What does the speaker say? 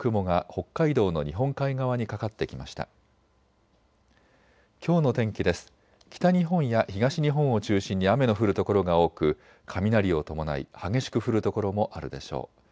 北日本や東日本を中心に雨の降る所が多く、雷雷を伴い激しく降る所もあるでしょう。